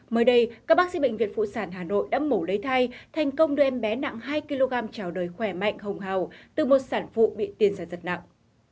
mới đây các bác sĩ bệnh viện phụ sản hà nội đã mổ lấy thai thành công đưa em bé nặng hai kg trào đời khỏe mạnh hồng hào từ một sản phụ bị tiền ra rất nặng